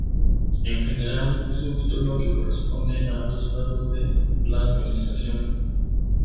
En general, es un título que corresponde a altos cargos de la Administración.